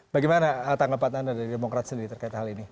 bagaimana tanggapan anda dari demokrat sendiri terkait hal ini